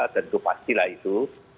tentu pastilah itu